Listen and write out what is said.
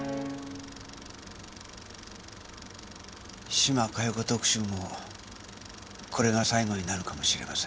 島加代子特集もこれが最後になるかもしれません。